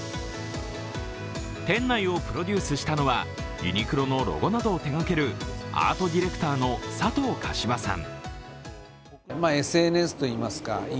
店内をプロデュースしたのはユニクロのロゴなどを手がけるアートディレクターの佐藤可士和さん。